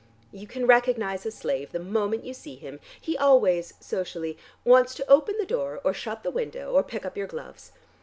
You can recognize a slave the moment you see him. He always, socially, wants to open the door or shut the window, or pick up your gloves.